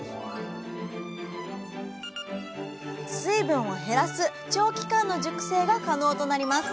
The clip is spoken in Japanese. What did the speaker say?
水分を減らす長期間の熟成が可能となります。